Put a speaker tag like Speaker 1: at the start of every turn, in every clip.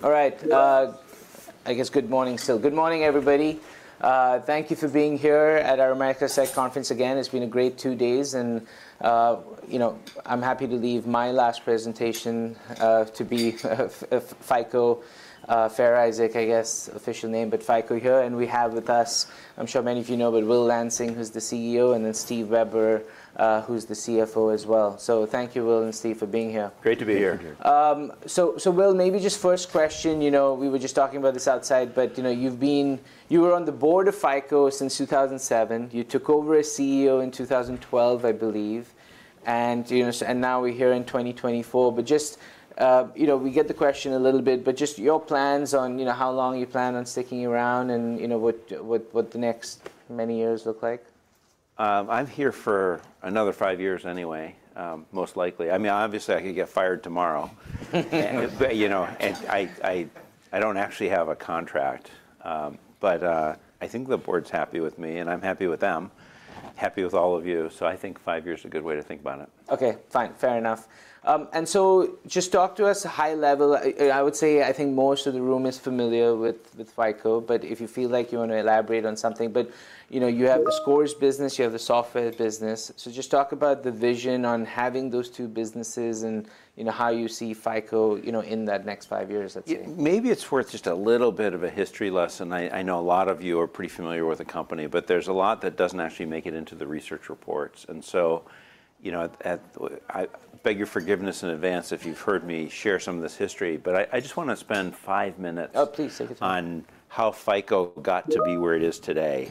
Speaker 1: All right, I guess good morning still. Good morning, everybody. Thank you for being here at our Americas Tech Conference again. It's been a great two days, and, you know, I'm happy to leave my last presentation to be Fair Isaac, I guess, official name, but FICO here. And we have with us, I'm sure many of you know, but Will Lansing, who's the CEO, and then Steve Weber, who's the CFO as well. So thank you, Will and Steve, for being here.
Speaker 2: Great to be here.
Speaker 1: So, Will, maybe just first question, you know, we were just talking about this outside, but, you know, you've been you were on the board of FICO since 2007. You took over as CEO in 2012, I believe, and, you know, so and now we're here in 2024. But just, you know, we get the question a little bit, but just your plans on, you know, how long you plan on sticking around and, you know, what, what, what the next many years look like?
Speaker 2: I'm here for another five years anyway, most likely. I mean, obviously I could get fired tomorrow, but, you know, and I don't actually have a contract. But, I think the board's happy with me, and I'm happy with them, happy with all of you. So I think five years is a good way to think about it.
Speaker 1: Okay, fine. Fair enough. So just talk to us high level. I would say I think most of the room is familiar with FICO, but if you feel like you wanna elaborate on something. But, you know, you have the scores business, you have the software business. So just talk about the vision on having those two businesses and, you know, how you see FICO, you know, in that next five years, let's say.
Speaker 2: Yeah, maybe it's worth just a little bit of a history lesson. I, I know a lot of you are pretty familiar with the company, but there's a lot that doesn't actually make it into the research reports. And so, you know, I beg your forgiveness in advance if you've heard me share some of this history, but I, I just wanna spend five minutes.
Speaker 1: Oh, please. Take your time.
Speaker 2: On how FICO got to be where it is today.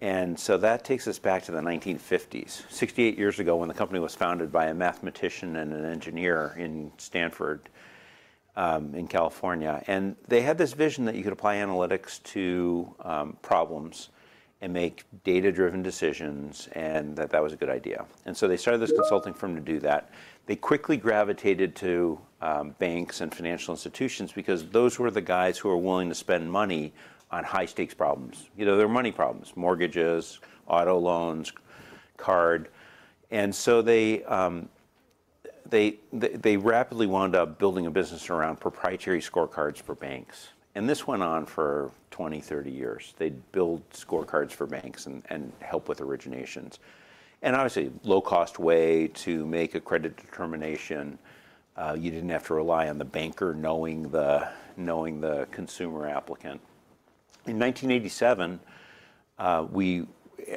Speaker 2: That takes us back to the 1950s, 68 years ago, when the company was founded by a mathematician and an engineer in Stanford, California. They had this vision that you could apply analytics to problems and make data-driven decisions, and that that was a good idea. They started this consulting firm to do that. They quickly gravitated to banks and financial institutions because those were the guys who were willing to spend money on high-stakes problems. You know, they're money problems: mortgages, auto loans, card. They rapidly wound up building a business around proprietary scorecards for banks. This went on for 20, 30 years. They'd build scorecards for banks and help with originations. Obviously, low-cost way to make a credit determination. You didn't have to rely on the banker knowing the consumer applicant. In 1987, we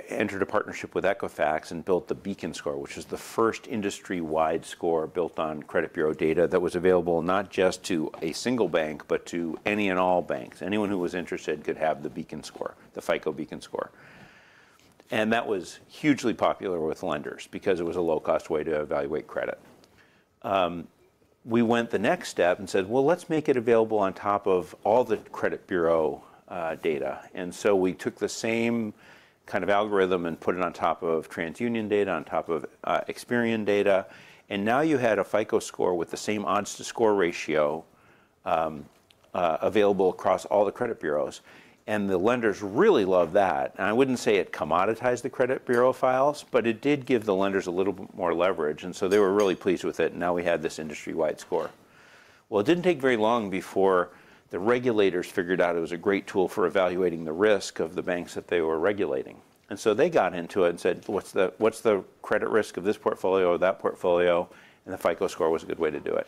Speaker 2: entered a partnership with Equifax and built the Beacon Score, which is the first industry-wide score built on credit bureau data that was available not just to a single bank but to any and all banks. Anyone who was interested could have the Beacon Score, the FICO Beacon Score. That was hugely popular with lenders because it was a low-cost way to evaluate credit. We went the next step and said, "Well, let's make it available on top of all the credit bureau data." We took the same kind of algorithm and put it on top of TransUnion data, on top of Experian data. Now you had a FICO Score with the same odds-to-score ratio, available across all the credit bureaus. The lenders really loved that. I wouldn't say it commoditized the credit bureau files, but it did give the lenders a little bit more leverage. So they were really pleased with it, and now we had this industry-wide score. Well, it didn't take very long before the regulators figured out it was a great tool for evaluating the risk of the banks that they were regulating. So they got into it and said, "What's the credit risk of this portfolio or that portfolio?" And the FICO Score was a good way to do it.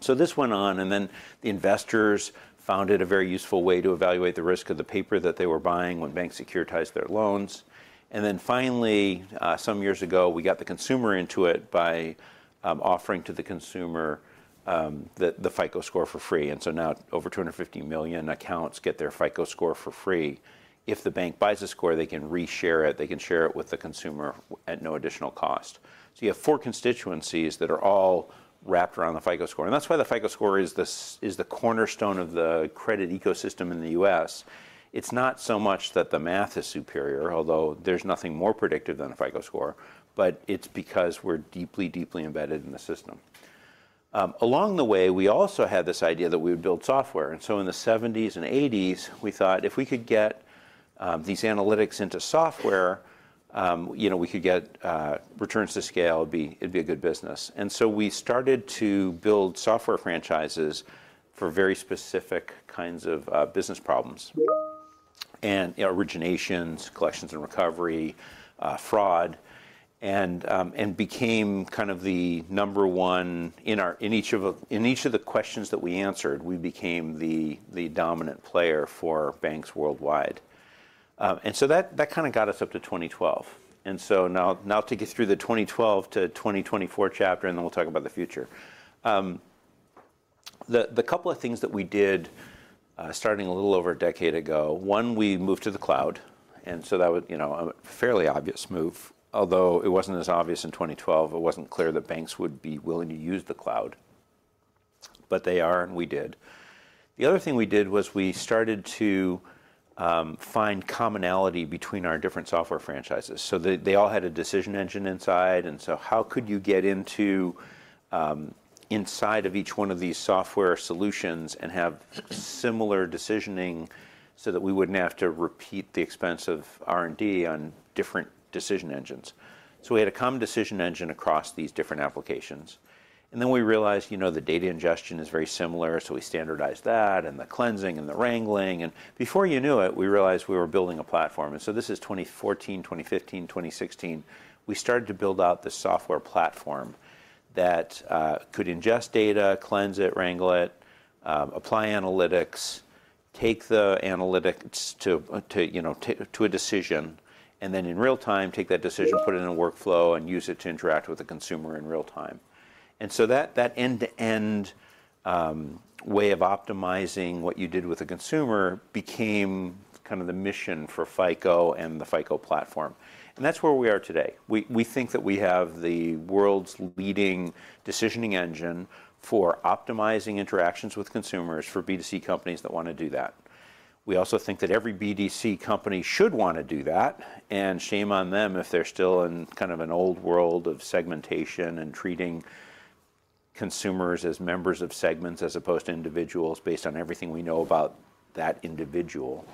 Speaker 2: So this went on, and then the investors found it a very useful way to evaluate the risk of the paper that they were buying when banks securitized their loans. And then finally, some years ago, we got the consumer into it by offering to the consumer the FICO Score for free. And so now over 250 million accounts get their FICO Score for free. If the bank buys a score, they can reshare it. They can share it with the consumer at no additional cost. So you have four constituencies that are all wrapped around the FICO Score. And that's why the FICO Score is the cornerstone of the credit ecosystem in the U.S. It's not so much that the math is superior, although there's nothing more predictive than a FICO Score, but it's because we're deeply, deeply embedded in the system. Along the way, we also had this idea that we would build software. And so in the 1970s and 1980s, we thought if we could get these analytics into software, you know, we could get returns to scale, it'd be a good business. And so we started to build software franchises for very specific kinds of business problems, and, you know, originations, collections and recovery, fraud, and became kind of the number one in each of the questions that we answered. We became the dominant player for banks worldwide. And so that kinda got us up to 2012. And so now to get through the 2012 to 2024 chapter, and then we'll talk about the future. The couple of things that we did, starting a little over a decade ago. One, we moved to the cloud. And so that was, you know, a fairly obvious move, although it wasn't as obvious in 2012. It wasn't clear that banks would be willing to use the cloud. But they are, and we did. The other thing we did was we started to find commonality between our different software franchises. So they all had a decision engine inside. And so how could you get into inside of each one of these software solutions and have similar decisioning so that we wouldn't have to repeat the expense of R&D on different decision engines? So we had a common decision engine across these different applications. And then we realized, you know, the data ingestion is very similar, so we standardized that and the cleansing and the wrangling. And before you knew it, we realized we were building a platform. And so this is 2014, 2015, 2016. We started to build out this software platform that could ingest data, cleanse it, wrangle it, apply analytics, take the analytics to, you know, take to a decision, and then in real time take that decision, put it in a workflow, and use it to interact with the consumer in real time. And so that end-to-end way of optimizing what you did with a consumer became kinda the mission for FICO and the FICO platform. And that's where we are today. We think that we have the world's leading decisioning engine for optimizing interactions with consumers for B2C companies that wanna do that. We also think that every B2C company should wanna do that. Shame on them if they're still in kind of an old world of segmentation and treating consumers as members of segments as opposed to individuals based on everything we know about that individual.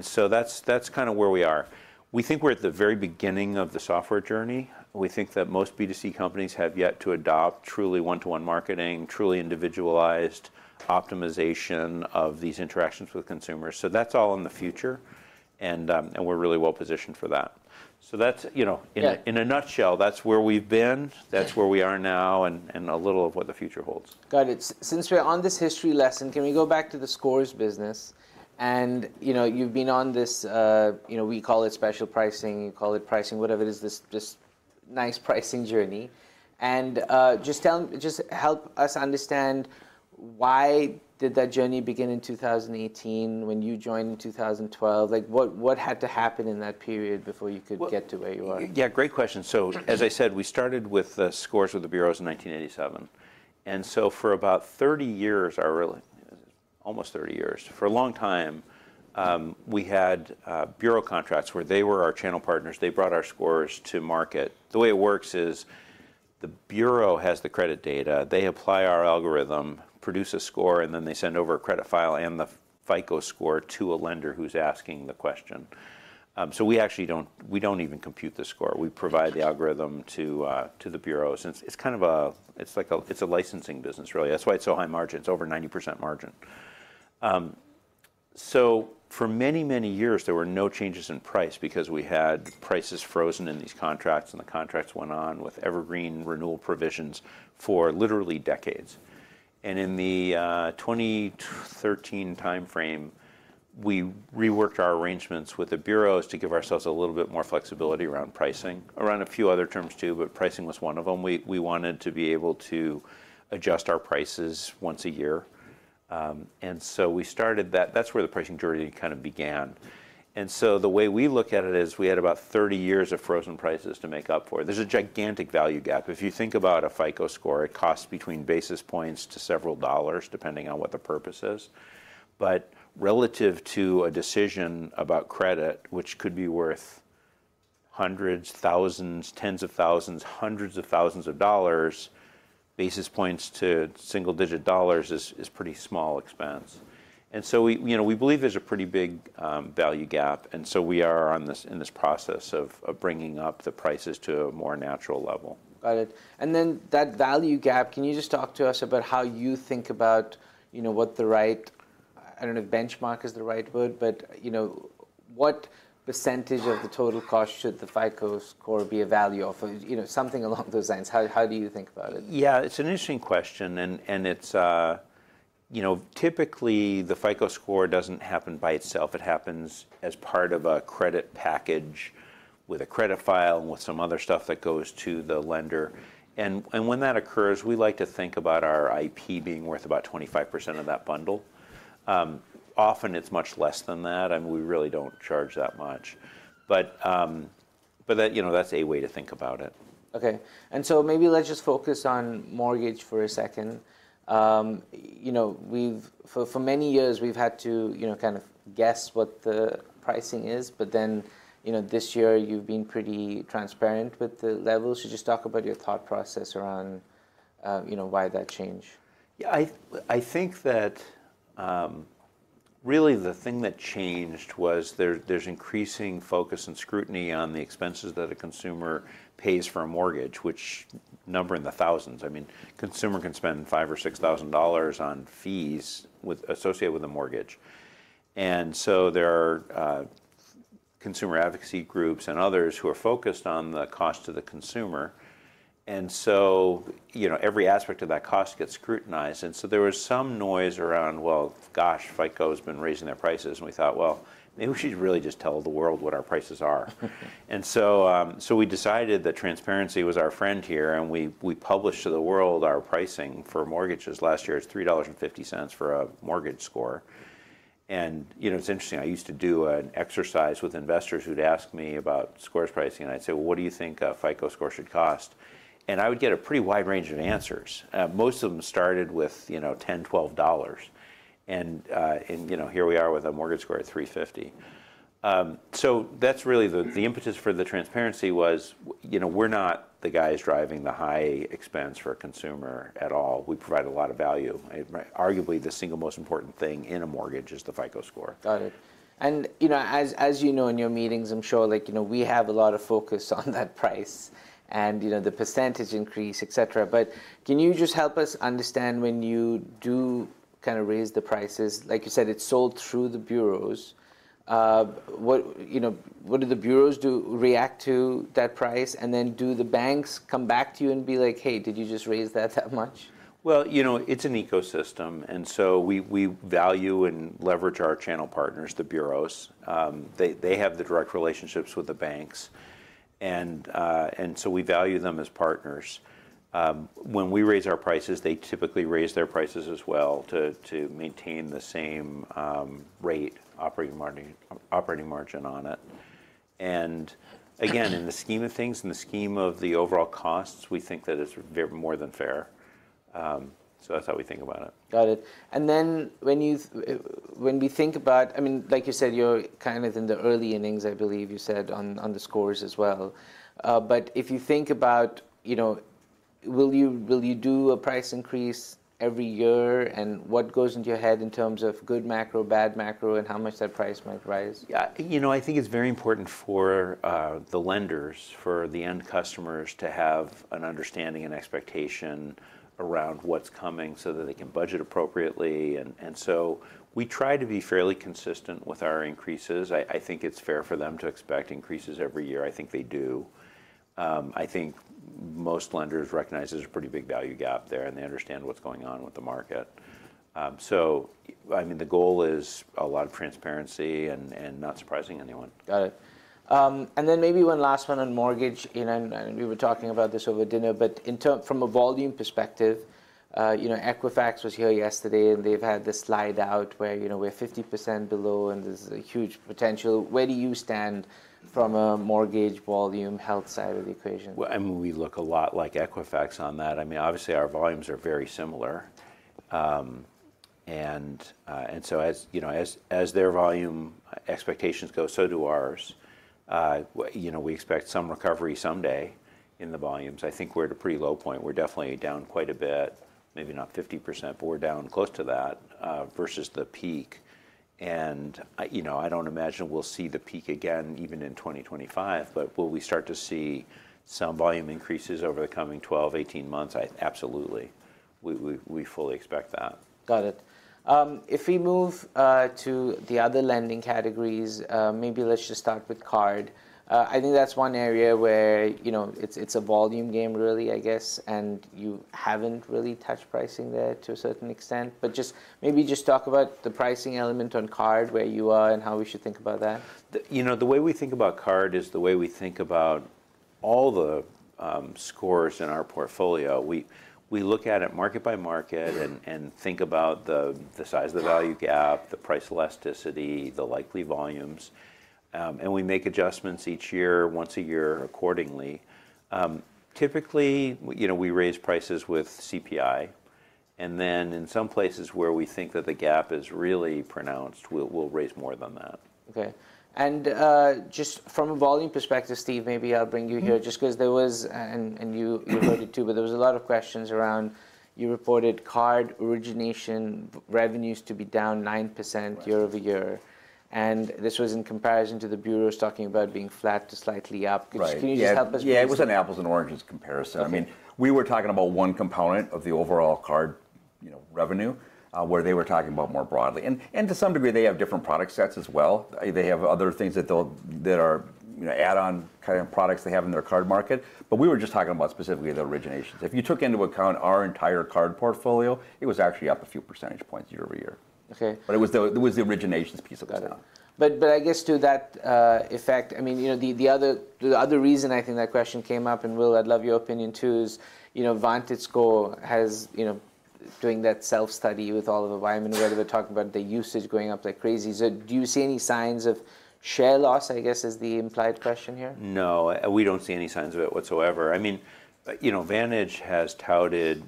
Speaker 2: So that's kinda where we are. We think we're at the very beginning of the software journey. We think that most B2C companies have yet to adopt truly one-to-one marketing, truly individualized optimization of these interactions with consumers. So that's all in the future. We're really well positioned for that. So that's, you know, in a nutshell, that's where we've been. That's where we are now and a little of what the future holds.
Speaker 1: Got it. So Fair, on this history lesson, can we go back to the scores business? And, you know, you've been on this, you know, we call it special pricing. You call it pricing, whatever it is, this just nice pricing journey. And, just help us understand why did that journey begin in 2018 when you joined in 2012? Like, what, what had to happen in that period before you could get to where you are?
Speaker 2: Well, yeah, great question. So as I said, we started with the scores with the bureaus in 1987. For about 30 years, or really almost 30 years, for a long time, we had bureau contracts where they were our channel partners. They brought our scores to market. The way it works is the bureau has the credit data. They apply our algorithm, produce a score, and then they send over a credit file and the FICO Score to a lender who's asking the question. So we actually don't even compute the score. We provide the algorithm to the bureaus. And it's kind of like a licensing business, really. That's why it's so high margin. It's over 90% margin. So for many, many years, there were no changes in price because we had prices frozen in these contracts, and the contracts went on with evergreen renewal provisions for literally decades. And in the 2013 timeframe, we reworked our arrangements with the bureaus to give ourselves a little bit more flexibility around pricing, around a few other terms too, but pricing was one of them. We wanted to be able to adjust our prices once a year, and so we started that. That's where the pricing journey kinda began. And so the way we look at it is we had about 30 years of frozen prices to make up for it. There's a gigantic value gap. If you think about a FICO Score, it costs between basis points to several dollars depending on what the purpose is. But relative to a decision about credit, which could be worth $100s, $1,000s, $10,000s, $100,000s, basis points to single-digit dollars is a pretty small expense. And so we, you know, we believe there's a pretty big value gap. And so we are in this process of bringing up the prices to a more natural level.
Speaker 1: Got it. And then that value gap, can you just talk to us about how you think about, you know, what the right—I don't know if benchmark is the right word, but, you know, what percentage of the total cost should the FICO Score be a value of? Or, you know, something along those lines. How do you think about it?
Speaker 2: Yeah, it's an interesting question. And it's, you know, typically the FICO Score doesn't happen by itself. It happens as part of a credit package with a credit file and with some other stuff that goes to the lender. And when that occurs, we like to think about our IP being worth about 25% of that bundle. Often it's much less than that. I mean, we really don't charge that much. But that, you know, that's a way to think about it.
Speaker 1: Okay. Maybe let's just focus on mortgage for a second. You know, we've had to for many years, you know, kind of guess what the pricing is. Then, you know, this year you've been pretty transparent with the levels. Just talk about your thought process around, you know, why that changed.
Speaker 2: Yeah, I think that, really the thing that changed was there's increasing focus and scrutiny on the expenses that a consumer pays for a mortgage, which number in the thousands. I mean, consumer can spend $5,000 or $6,000 on fees associated with a mortgage. And so there are consumer advocacy groups and others who are focused on the cost to the consumer. And so, you know, every aspect of that cost gets scrutinized. And so there was some noise around, "Well, gosh, FICO's been raising their prices." And we thought, "Well, maybe we should really just tell the world what our prices are." And so we decided that transparency was our friend here. And we published to the world our pricing for mortgages. Last year it's $3.50 for a mortgage score. And, you know, it's interesting. I used to do an exercise with investors who'd ask me about scores pricing. And I'd say, "Well, what do you think a FICO Score should cost?" And I would get a pretty wide range of answers. Most of them started with, you know, $10, $12. And, and, you know, here we are with a mortgage score at $350. So that's really the, the impetus for the transparency was, you know, we're not the guys driving the high expense for a consumer at all. We provide a lot of value. I arguably the single most important thing in a mortgage is the FICO Score.
Speaker 1: Got it. And, you know, as you know in your meetings, I'm sure, like, you know, we have a lot of focus on that price and, you know, the percentage increase, etc. But can you just help us understand when you do kinda raise the prices like you said, it's sold through the bureaus. What, you know, what do the bureaus do react to that price? And then do the banks come back to you and be like, "Hey, did you just raise that that much?
Speaker 2: Well, you know, it's an ecosystem. And so we value and leverage our channel partners, the bureaus. They have the direct relationships with the banks. And so we value them as partners. When we raise our prices, they typically raise their prices as well to maintain the same rate, operating margin on it. And again, in the scheme of things, in the scheme of the overall costs, we think that it's very more than fair. So that's how we think about it.
Speaker 1: Got it. And then when we think about, I mean, like you said, you're kind of in the early innings, I believe you said, on the scores as well. But if you think about, you know, will you do a price increase every year? And what goes into your head in terms of good macro, bad macro, and how much that price might rise?
Speaker 2: Yeah, you know, I think it's very important for the lenders, for the end customers, to have an understanding and expectation around what's coming so that they can budget appropriately. And so we try to be fairly consistent with our increases. I think it's fair for them to expect increases every year. I think they do. I think most lenders recognize there's a pretty big value gap there, and they understand what's going on with the market. So, I mean, the goal is a lot of transparency and not surprising anyone.
Speaker 1: Got it. And then maybe one last one on mortgage. You know, and we were talking about this over dinner. But in terms from a volume perspective, you know, Equifax was here yesterday, and they've had this slide out where, you know, we're 50% below, and there's a huge potential. Where do you stand from a mortgage volume health side of the equation?
Speaker 2: Well, I mean, we look a lot like Equifax on that. I mean, obviously, our volumes are very similar. And so as, you know, as their volume expectations go, so do ours. You know, we expect some recovery someday in the volumes. I think we're at a pretty low point. We're definitely down quite a bit, maybe not 50%, but we're down close to that, versus the peak. And I, you know, I don't imagine we'll see the peak again even in 2025. But will we start to see some volume increases over the coming 12, 18 months? I absolutely. We fully expect that.
Speaker 1: Got it. If we move to the other lending categories, maybe let's just start with card. I think that's one area where, you know, it's a volume game, really, I guess. And you haven't really touched pricing there to a certain extent. But just maybe just talk about the pricing element on card where you are and how we should think about that.
Speaker 2: You know, the way we think about card is the way we think about all the scores in our portfolio. We look at it market by market and think about the size of the value gap, the price elasticity, the likely volumes. And we make adjustments each year, once a year accordingly. Typically, you know, we raise prices with CPI. And then in some places where we think that the gap is really pronounced, we'll raise more than that.
Speaker 1: Okay. And, just from a volume perspective, Steve, maybe I'll bring you here just 'cause there was, and you heard it too. But there was a lot of questions around you reported card origination revenues to be down 9% year-over-year. And this was in comparison to the bureaus talking about being flat to slightly up.
Speaker 2: Right.
Speaker 1: Could you just help us?
Speaker 3: Yeah, it was an apples and oranges comparison. I mean, we were talking about one component of the overall card, you know, revenue, where they were talking about more broadly. And to some degree, they have different product sets as well. They have other things that they'll that are, you know, add-on kinda products they have in their card market. But we were just talking about specifically the originations. If you took into account our entire card portfolio, it was actually up a few percentage points year-over-year.
Speaker 1: Okay.
Speaker 2: But it was the originations piece that was down.
Speaker 1: Got it. But I guess to that effect, I mean, you know, the other reason I think that question came up, and Will, I'd love your opinion too, is, you know, VantageScore has, you know, doing that self-study with Oliver Wyman where they were talking about the usage going up like crazy. So do you see any signs of share loss, I guess, is the implied question here?
Speaker 2: No, we don't see any signs of it whatsoever. I mean, you know, Vantage has touted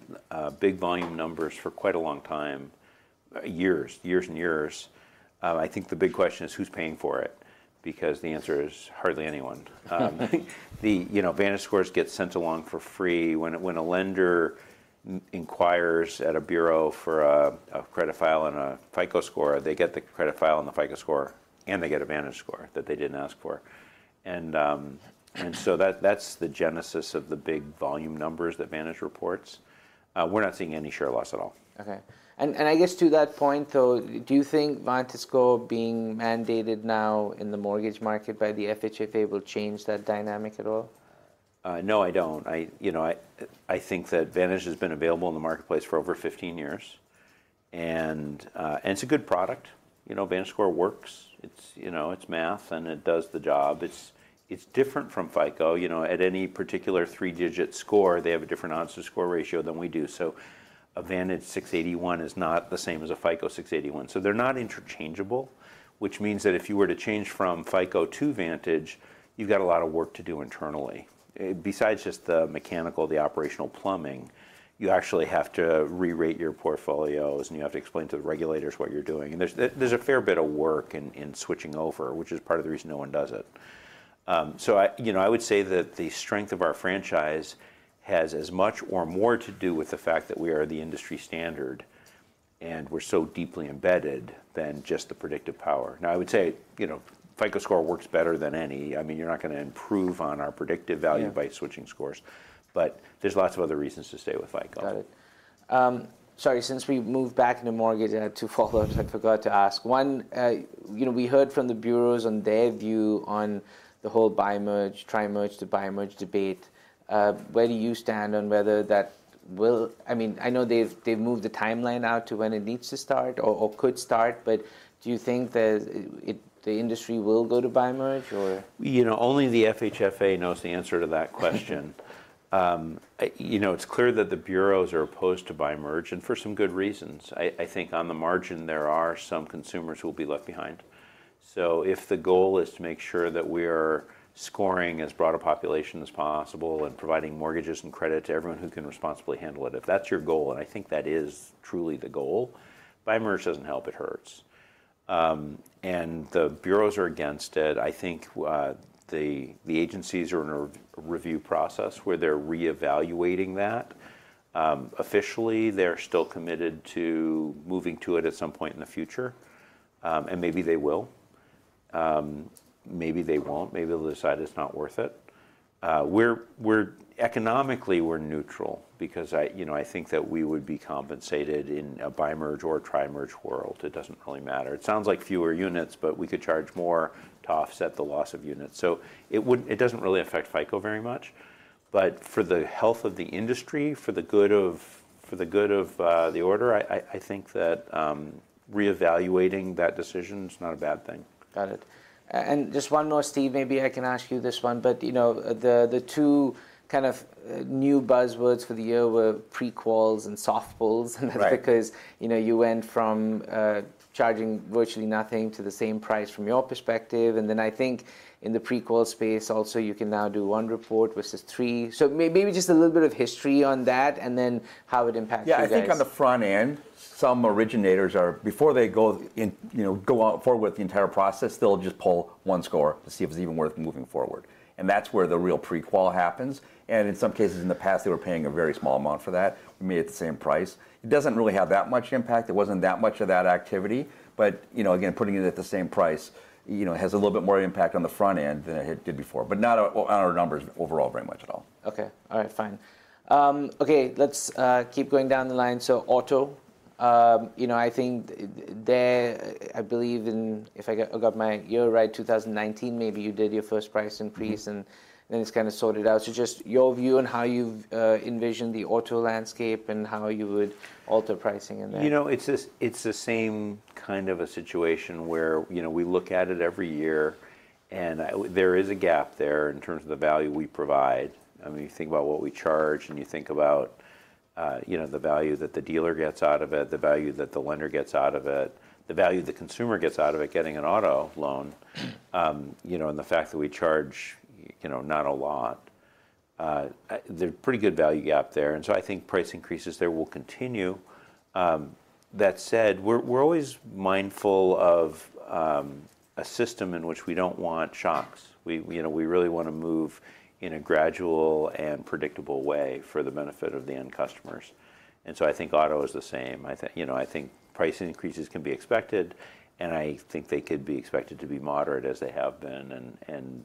Speaker 2: big volume numbers for quite a long time, years, years and years. I think the big question is who's paying for it because the answer is hardly anyone. You know, Vantage scores get sent along for free. When a lender inquires at a bureau for a credit file and a FICO Score, they get the credit file and the FICO Score, and they get a Vantage score that they didn't ask for. And so that's the genesis of the big volume numbers that Vantage reports. We're not seeing any share loss at all.
Speaker 1: Okay. And, and I guess to that point, though, do you think VantageScore being mandated now in the mortgage market by the FHFA will change that dynamic at all?
Speaker 2: No, I don't. You know, I think that VantageScore has been available in the marketplace for over 15 years. And it's a good product. You know, VantageScore works. It's, you know, it's math, and it does the job. It's different from FICO. You know, at any particular three-digit score, they have a different odds-to-score ratio than we do. So a VantageScore 681 is not the same as a FICO 681. So they're not interchangeable, which means that if you were to change from FICO to VantageScore, you've got a lot of work to do internally. Besides just the mechanical, the operational plumbing, you actually have to re-rate your portfolios, and you have to explain to the regulators what you're doing. And there's a fair bit of work in switching over, which is part of the reason no one does it. So, you know, I would say that the strength of our franchise has as much or more to do with the fact that we are the industry standard and we're so deeply embedded than just the predictive power. Now, I would say, you know, FICO Score works better than any. I mean, you're not gonna improve on our predictive value by switching scores. But there's lots of other reasons to stay with FICO.
Speaker 1: Got it. Sorry, since we moved back into mortgage, I had two follow-ups. I forgot to ask. One, you know, we heard from the bureaus on their view on the whole bi-merge, tri-merge, to bi-merge debate. Where do you stand on whether that will? I mean, I know they've, they've moved the timeline out to when it needs to start or, or could start. But do you think that the industry will go to bi-merge, or?
Speaker 2: You know, only the FHFA knows the answer to that question. You know, it's clear that the bureaus are opposed to bi-merge and for some good reasons. I, I think on the margin, there are some consumers who will be left behind. So if the goal is to make sure that we are scoring as broad a population as possible and providing mortgages and credit to everyone who can responsibly handle it, if that's your goal - and I think that is truly the goal - bi-merge doesn't help. It hurts. The bureaus are against it. I think, the, the agencies are in a review process where they're reevaluating that. Officially, they're still committed to moving to it at some point in the future. Maybe they will. Maybe they won't. Maybe they'll decide it's not worth it. We're economically neutral because I, you know, I think that we would be compensated in a bi-merge or tri-merge world. It doesn't really matter. It sounds like fewer units, but we could charge more to offset the loss of units. So it doesn't really affect FICO very much. But for the health of the industry, for the good of the order, I think that reevaluating that decision's not a bad thing.
Speaker 1: Got it. And just one more, Steve. Maybe I can ask you this one. But, you know, the two kind of new buzzwords for the year were prequals and soft pulls.
Speaker 2: Right.
Speaker 1: That's because, you know, you went from charging virtually nothing to the same price from your perspective. Then I think in the prequel space also, you can now do one report versus three. Maybe just a little bit of history on that and then how it impacts you guys.
Speaker 3: Yeah, I think on the front end, some originators are before they go in, you know, go on forward with the entire process, they'll just pull one score to see if it's even worth moving forward. And that's where the real prequel happens. And in some cases in the past, they were paying a very small amount for that. We made it the same price. It doesn't really have that much impact. There wasn't that much of that activity. But, you know, again, putting it at the same price, you know, has a little bit more impact on the front end than it did before. But not on our numbers overall very much at all.
Speaker 1: Okay. All right. Fine. Okay, let's keep going down the line. So auto, you know, I think there, I believe in if I got my year right, 2019, maybe you did your first price increase, and then it's kinda sorted out. So just your view on how you've envisioned the auto landscape and how you would alter pricing in that.
Speaker 2: You know, it's this, it's the same kind of a situation where, you know, we look at it every year. There is a gap there in terms of the value we provide. I mean, you think about what we charge, and you think about, you know, the value that the dealer gets out of it, the value that the lender gets out of it, the value the consumer gets out of it getting an auto loan, you know, and the fact that we charge, you know, not a lot. There's a pretty good value gap there. I think price increases there will continue. That said, we're always mindful of a system in which we don't want shocks. We, you know, we really wanna move in a gradual and predictable way for the benefit of the end customers. I think auto is the same. I think you know, I think price increases can be expected. I think they could be expected to be moderate as they have been and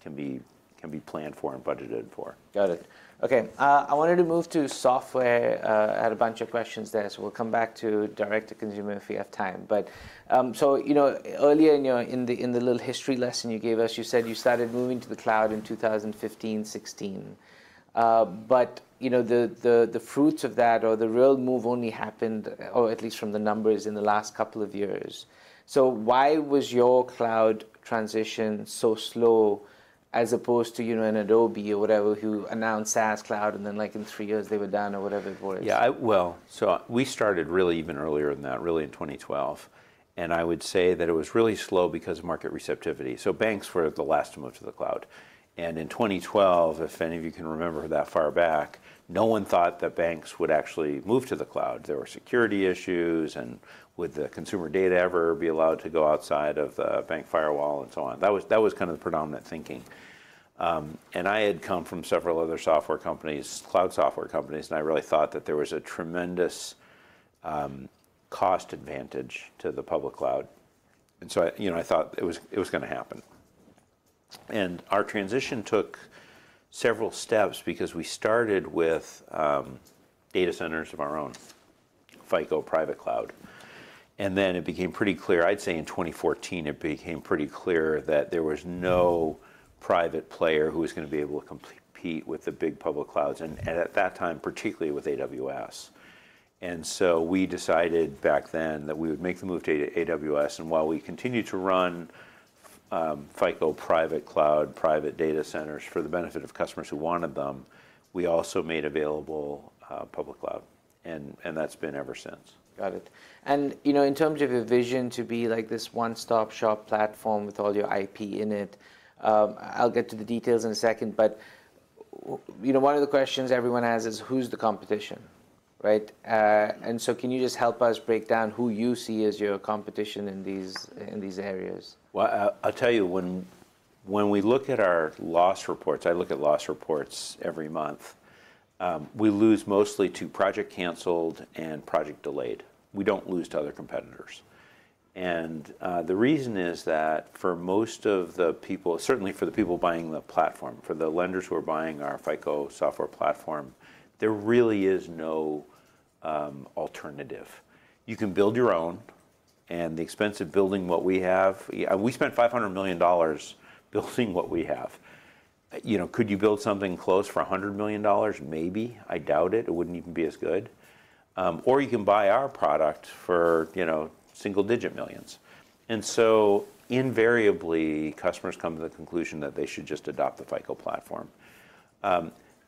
Speaker 2: can be planned for and budgeted for.
Speaker 1: Got it. Okay. I wanted to move to software. I had a bunch of questions there. So we'll come back to direct to consumer if we have time. But so, you know, earlier in the little history lesson you gave us, you said you started moving to the cloud in 2015, 2016. But you know, the fruits of that or the real move only happened, or at least from the numbers, in the last couple of years. So why was your cloud transition so slow as opposed to, you know, an Adobe or whatever who announced SaaS cloud, and then like in three years, they were done or whatever it was?
Speaker 2: Yeah, well, so we started really even earlier than that, really in 2012. I would say that it was really slow because of market receptivity. Banks were the last to move to the cloud. In 2012, if any of you can remember that far back, no one thought that banks would actually move to the cloud. There were security issues. Would the consumer data ever be allowed to go outside of the bank firewall and so on? That was kinda the predominant thinking. I had come from several other software companies, cloud software companies, and I really thought that there was a tremendous cost advantage to the public cloud. So I, you know, I thought it was gonna happen. Our transition took several steps because we started with data centers of our own, FICO private cloud. Then it became pretty clear I'd say in 2014, it became pretty clear that there was no private player who was gonna be able to compete with the big public clouds, and at that time, particularly with AWS. So we decided back then that we would make the move to AWS. While we continued to run FICO private cloud, private data centers for the benefit of customers who wanted them, we also made available public cloud. And that's been ever since.
Speaker 1: Got it. And, you know, in terms of your vision to be like this one-stop-shop platform with all your IP in it, I'll get to the details in a second. But, you know, one of the questions everyone has is, who's the competition, right? And so can you just help us break down who you see as your competition in these areas?
Speaker 2: Well, I'll tell you, when we look at our loss reports I look at loss reports every month. We lose mostly to project canceled and project delayed. We don't lose to other competitors. And, the reason is that for most of the people certainly for the people buying the platform, for the lenders who are buying our FICO software platform, there really is no alternative. You can build your own. And the expense of building what we have we spent $500 million building what we have. You know, could you build something close for $100 million? Maybe. I doubt it. It wouldn't even be as good. Or you can buy our product for, you know, single-digit millions. And so invariably, customers come to the conclusion that they should just adopt the FICO platform.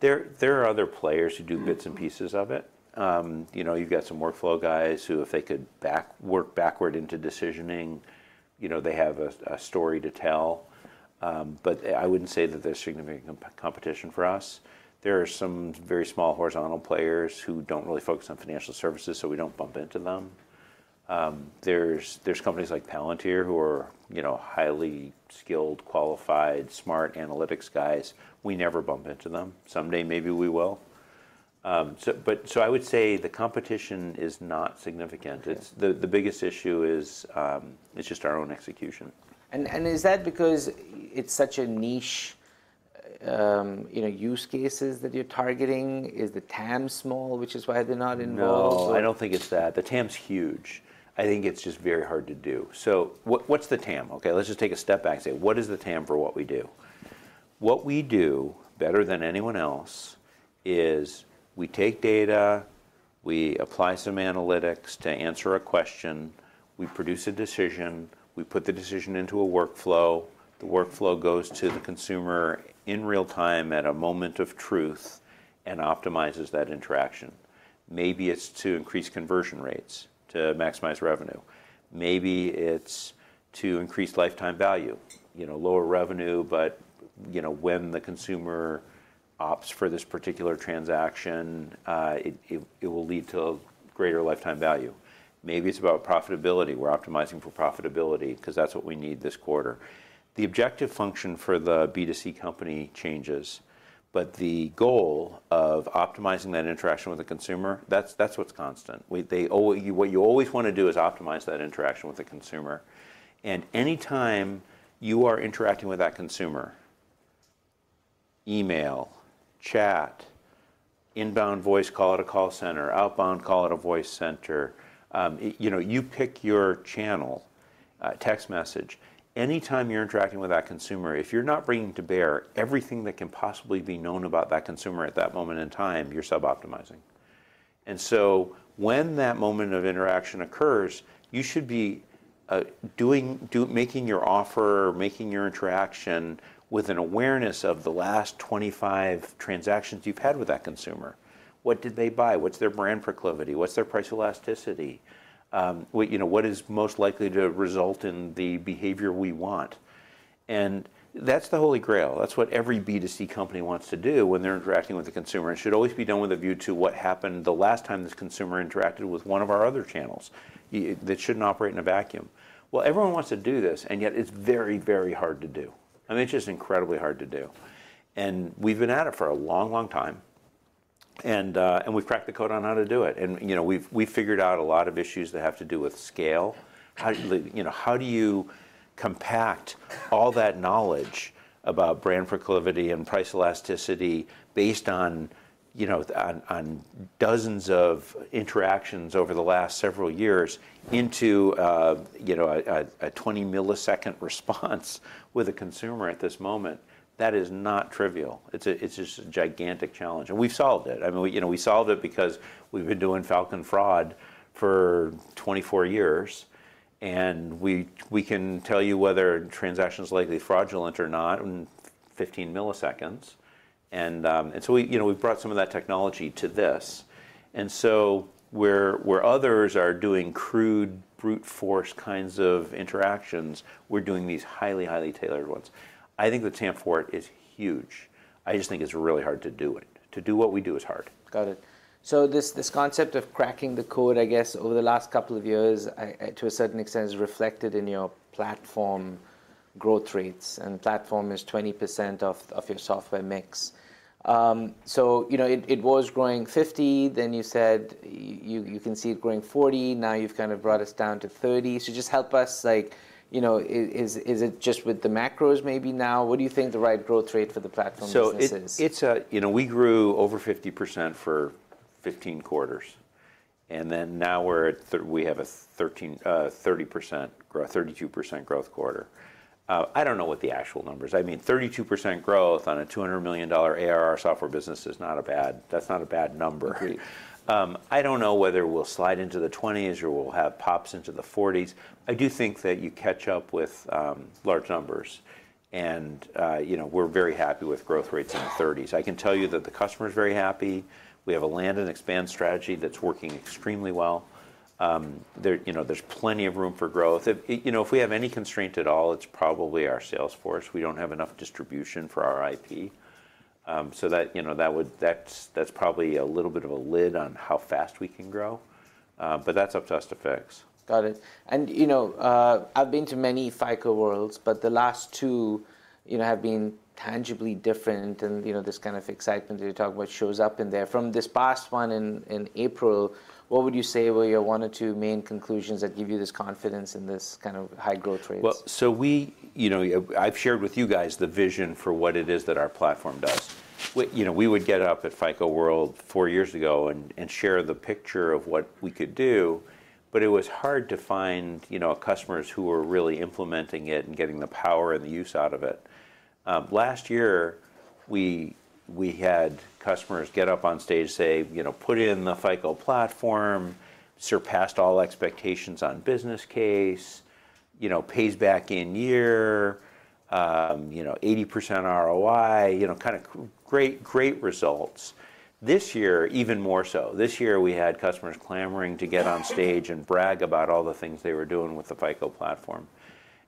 Speaker 2: There are other players who do bits and pieces of it. You know, you've got some workflow guys who, if they could work backward into decisioning, you know, they have a story to tell. But I wouldn't say that there's significant competition for us. There are some very small horizontal players who don't really focus on financial services, so we don't bump into them. There's companies like Palantir who are, you know, highly skilled, qualified, smart analytics guys. We never bump into them. Someday, maybe we will. So but so I would say the competition is not significant. It's the biggest issue is, it's just our own execution.
Speaker 1: Is that because it's such a niche, you know, use cases that you're targeting? Is the TAM small, which is why they're not involved, or?
Speaker 2: No, I don't think it's that. The TAM's huge. I think it's just very hard to do. So what-what's the TAM? Okay, let's just take a step back and say, what is the TAM for what we do? What we do better than anyone else is we take data, we apply some analytics to answer a question, we produce a decision, we put the decision into a workflow. The workflow goes to the consumer in real time at a moment of truth and optimizes that interaction. Maybe it's to increase conversion rates to maximize revenue. Maybe it's to increase lifetime value. You know, lower revenue, but, you know, when the consumer opts for this particular transaction, it, it, it will lead to greater lifetime value. Maybe it's about profitability. We're optimizing for profitability 'cause that's what we need this quarter. The objective function for the B2C company changes. But the goal of optimizing that interaction with the consumer, that's what's constant. What you always wanna do is optimize that interaction with the consumer. And anytime you are interacting with that consumer (email, chat, inbound voice, call it a call center, outbound, call it a voice center), you know, you pick your channel, text message. Anytime you're interacting with that consumer, if you're not bringing to bear everything that can possibly be known about that consumer at that moment in time, you're suboptimizing. And so when that moment of interaction occurs, you should be making your offer, making your interaction with an awareness of the last 25 transactions you've had with that consumer. What did they buy? What's their brand proclivity? What's their price elasticity? You know, what is most likely to result in the behavior we want? And that's the holy grail. That's what every B2C company wants to do when they're interacting with a consumer. It should always be done with a view to what happened the last time this consumer interacted with one of our other channels. That shouldn't operate in a vacuum. Well, everyone wants to do this, and yet it's very, very hard to do. I mean, it's just incredibly hard to do. And we've been at it for a long, long time. And we've cracked the code on how to do it. And, you know, we've figured out a lot of issues that have to do with scale. How do you know, how do you compact all that knowledge about brand proclivity and price elasticity based on, you know, on dozens of interactions over the last several years into, you know, a 20-millisecond response with a consumer at this moment? That is not trivial. It's just a gigantic challenge. And we've solved it. I mean, we, you know, we solved it because we've been doing Falcon Fraud for 24 years. And we can tell you whether transaction's likely fraudulent or not in 15 milliseconds. And so we, you know, we've brought some of that technology to this. And so where others are doing crude, brute-force kinds of interactions, we're doing these highly, highly tailored ones. I think the TAM for it is huge. I just think it's really hard to do it. To do what we do is hard.
Speaker 1: Got it. So this concept of cracking the code, I guess, over the last couple of years, to a certain extent is reflected in your platform growth rates. Platform is 20% of your software mix. So, you know, it was growing 50%. Then you said you can see it growing 40%. Now you've kinda brought us down to 30%. So just help us, like, you know, is it just with the macros maybe now? What do you think the right growth rate for the platform business is?
Speaker 2: So it's, it's a, you know, we grew over 50% for 15 quarters. And then now we're at, we have a 30% grow 32% growth quarter. I don't know what the actual numbers, I mean, 32% growth on a $200 million ARR software business is not a bad, that's not a bad number. I don't know whether we'll slide into the 20s or we'll have pops into the 40s. I do think that you catch up with large numbers. And, you know, we're very happy with growth rates in the 30s. I can tell you that the customer's very happy. We have a land and expand strategy that's working extremely well. There, you know, there's plenty of room for growth. If, you know, if we have any constraint at all, it's probably our sales force. We don't have enough distribution for our IP. So that, you know, that would, that's probably a little bit of a lid on how fast we can grow. But that's up to us to fix.
Speaker 1: Got it. You know, I've been to many FICO Worlds, but the last two, you know, have been tangibly different. You know, this kind of excitement that you're talking about shows up in there. From this past one in April, what would you say were your one or two main conclusions that give you this confidence in this kind of high growth rates?
Speaker 2: Well, so we, you know, I've shared with you guys the vision for what it is that our platform does. We, you know, we would get up at FICO World four years ago and, and share the picture of what we could do. But it was hard to find, you know, customers who were really implementing it and getting the power and the use out of it. Last year, we, we had customers get up on stage and say, you know, put in the FICO platform, surpassed all expectations on business case, you know, pays back in year, you know, 80% ROI, you know, kinda great, great results. This year, even more so. This year, we had customers clamoring to get on stage and brag about all the things they were doing with the FICO platform.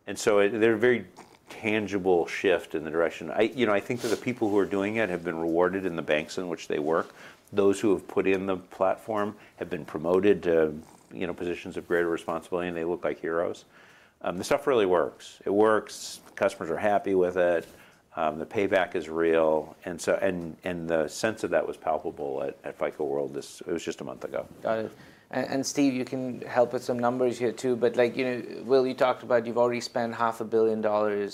Speaker 2: And so it there are very tangible shift in the direction. I, you know, I think that the people who are doing it have been rewarded in the banks in which they work. Those who have put in the platform have been promoted to, you know, positions of greater responsibility, and they look like heroes. The stuff really works. It works. Customers are happy with it. The payback is real. And the sense of that was palpable at FICO World. It was just a month ago.
Speaker 1: Got it. And, and Steve, you can help with some numbers here too. But, like, you know, Will, you talked about you've already spent $500 million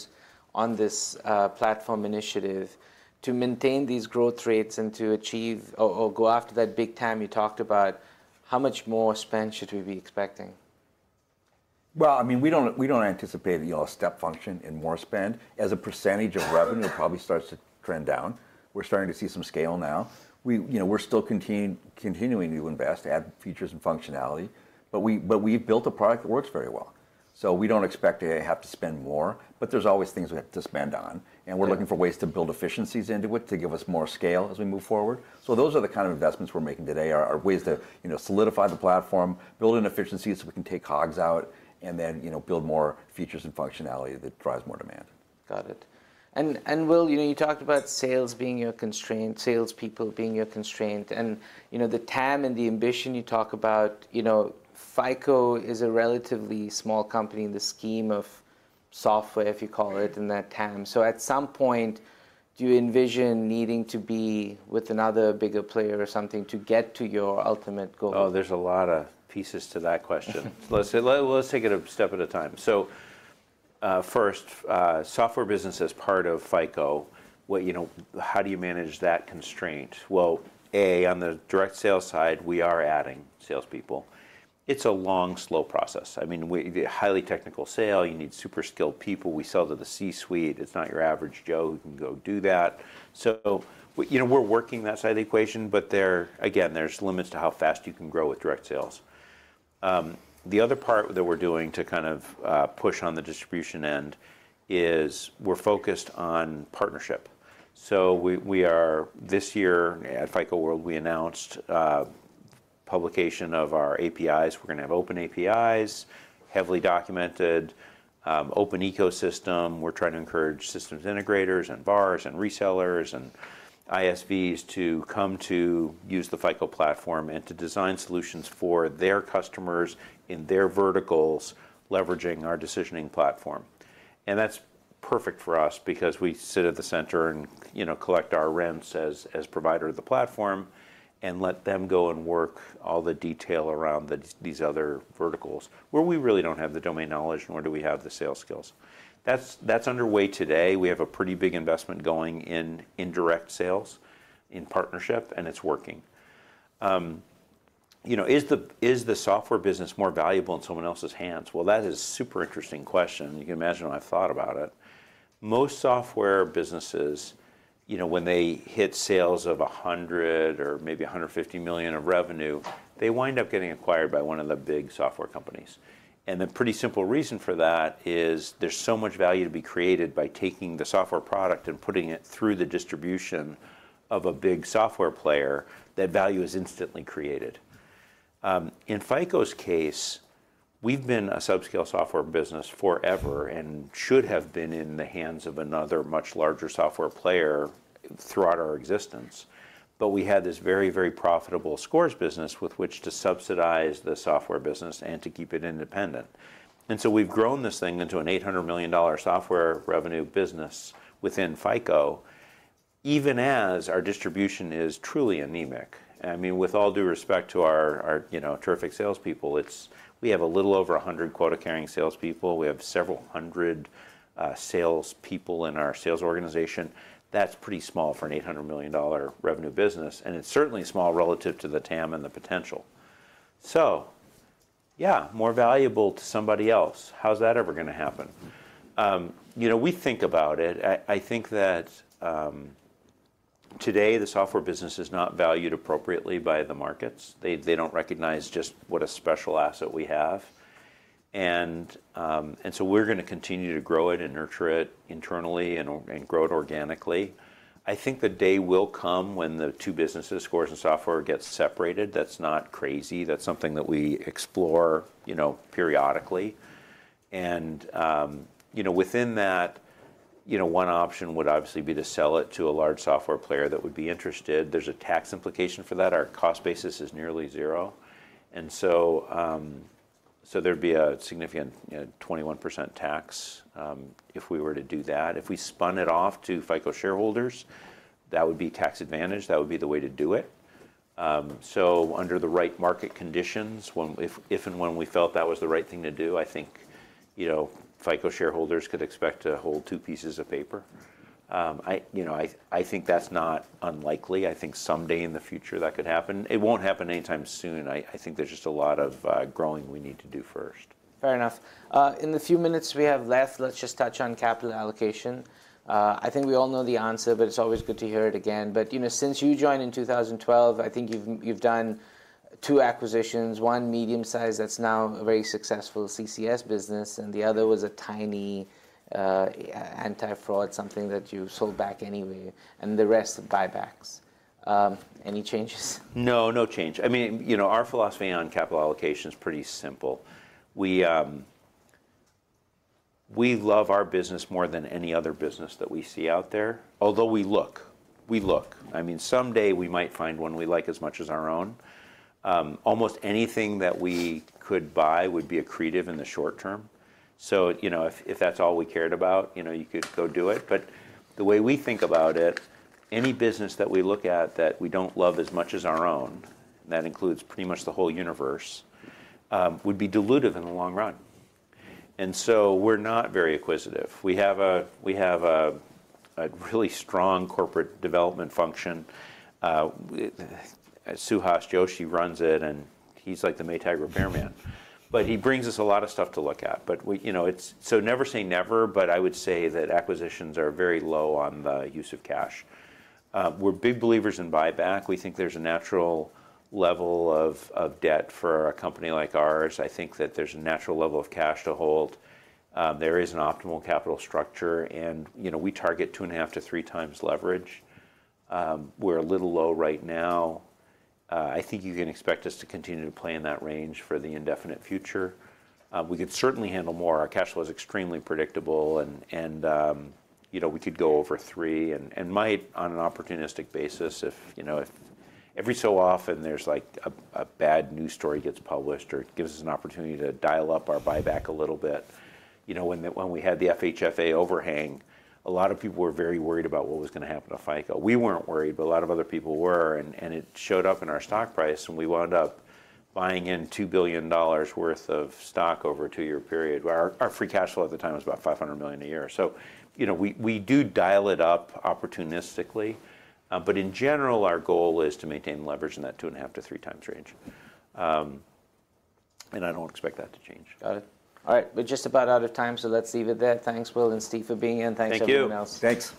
Speaker 1: on this platform initiative. To maintain these growth rates and to achieve or, or go after that big TAM you talked about, how much more spend should we be expecting?
Speaker 4: Well, I mean, we don't anticipate that you'll step function in more spend. As a percentage of revenue, it probably starts to trend down. We're starting to see some scale now. You know, we're still continuing to invest, add features and functionality. But we've built a product that works very well. So we don't expect to have to spend more. But there's always things we have to spend on. And we're looking for ways to build efficiencies into it to give us more scale as we move forward. So those are the kind of investments we're making today: ways to, you know, solidify the platform, build in efficiencies so we can take costs out, and then, you know, build more features and functionality that drives more demand.
Speaker 1: Got it. And Will, you know, you talked about sales being your constraint, salespeople being your constraint. You know, the TAM and the ambition you talk about, you know, FICO is a relatively small company in the scheme of software, if you call it, in that TAM. So at some point, do you envision needing to be with another bigger player or something to get to your ultimate goal?
Speaker 2: Oh, there's a lot of pieces to that question. Let's say let's take it a step at a time. So, first, software business as part of FICO, what you know, how do you manage that constraint? Well, A, on the direct sales side, we are adding salespeople. It's a long, slow process. I mean, we highly technical sale. You need super-skilled people. We sell to the C-suite. It's not your average Joe who can go do that. So you know, we're working that side of the equation. But there again, there's limits to how fast you can grow with direct sales. The other part that we're doing to kind of, push on the distribution end is we're focused on partnership. So we, we are this year, at FICO World, we announced, publication of our APIs. We're gonna have open APIs, heavily documented, open ecosystem. We're trying to encourage systems integrators and VARs and resellers and ISVs to come to use the FICO Platform and to design solutions for their customers in their verticals leveraging our decisioning platform. And that's perfect for us because we sit at the center and, you know, collect our rents as provider of the platform and let them go and work all the detail around these other verticals where we really don't have the domain knowledge, nor do we have the sales skills. That's underway today. We have a pretty big investment going in direct sales, in partnership, and it's working. You know, is the software business more valuable in someone else's hands? Well, that is a super-interesting question. You can imagine what I've thought about it. Most software businesses, you know, when they hit sales of $100 million or maybe $150 million of revenue, they wind up getting acquired by one of the big software companies. The pretty simple reason for that is there's so much value to be created by taking the software product and putting it through the distribution of a big software player, that value is instantly created. In FICO's case, we've been a subscale software business forever and should have been in the hands of another much larger software player throughout our existence. But we had this very, very profitable scores business with which to subsidize the software business and to keep it independent. So we've grown this thing into an $800 million software revenue business within FICO even as our distribution is truly anemic. I mean, with all due respect to our you know, terrific salespeople, it's we have a little over 100 quota-carrying salespeople. We have several hundred salespeople in our sales organization. That's pretty small for an $800 million revenue business. And it's certainly small relative to the TAM and the potential. So yeah, more valuable to somebody else. How's that ever gonna happen? You know, we think about it. I think that today, the software business is not valued appropriately by the markets. They don't recognize just what a special asset we have. And so we're gonna continue to grow it and nurture it internally and grow it organically. I think the day will come when the two businesses, scores and software, get separated. That's not crazy. That's something that we explore, you know, periodically. You know, within that, you know, one option would obviously be to sell it to a large software player that would be interested. There's a tax implication for that. Our cost basis is nearly zero. And so, so there'd be a significant, you know, 21% tax, if we were to do that. If we spun it off to FICO shareholders, that would be tax advantage. That would be the way to do it. So under the right market conditions, when if, if and when we felt that was the right thing to do, I think, you know, FICO shareholders could expect to hold two pieces of paper. I, you know, I, I think that's not unlikely. I think someday in the future, that could happen. It won't happen anytime soon. I, I think there's just a lot of, growing we need to do first.
Speaker 1: Fair enough. In the few minutes we have left, let's just touch on capital allocation. I think we all know the answer, but it's always good to hear it again. But, you know, since you joined in 2012, I think you've done two acquisitions. One, medium-sized. That's now a very successful CCS business. And the other was a tiny, anti-fraud something that you sold back anyway. And the rest, buybacks. Any changes?
Speaker 2: No, no change. I mean, you know, our philosophy on capital allocation's pretty simple. We, we love our business more than any other business that we see out there, although we look. We look. I mean, someday, we might find one we like as much as our own. Almost anything that we could buy would be accretive in the short term. So, you know, if, if that's all we cared about, you know, you could go do it. But the way we think about it, any business that we look at that we don't love as much as our own - and that includes pretty much the whole universe - would be dilutive in the long run. And so we're not very acquisitive. We have a we have a, a really strong corporate development function. Suhas Joshi runs it, and he's like the Maytag repairman. But he brings us a lot of stuff to look at. But we, you know, it's so never say never, but I would say that acquisitions are very low on the use of cash. We're big believers in buyback. We think there's a natural level of, of debt for a company like ours. I think that there's a natural level of cash to hold. There is an optimal capital structure. You know, we target 2.5-3 times leverage. We're a little low right now. I think you can expect us to continue to play in that range for the indefinite future. We could certainly handle more. Our cash flow is extremely predictable. And, you know, we could go over three and might, on an opportunistic basis, if, you know, if every so often, there's, like, a bad news story gets published or it gives us an opportunity to dial up our buyback a little bit. You know, when we had the FHFA overhang, a lot of people were very worried about what was gonna happen to FICO. We weren't worried, but a lot of other people were. And it showed up in our stock price, and we wound up buying in $2 billion worth of stock over a 2-year period. Our free cash flow at the time was about $500 million a year. So, you know, we do dial it up opportunistically. But in general, our goal is to maintain leverage in that 2.5-3 times range. and I don't expect that to change.
Speaker 1: Got it. All right. We're just about out of time, so let's leave it there. Thanks, Will, and Steve for being in. Thanks everyone else.
Speaker 2: Thank you.
Speaker 4: Thanks.